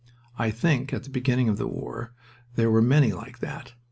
I think, at the beginning of the war there were many like that.